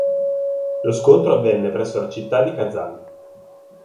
Lo scontro avvenne presso la città di Kazan'.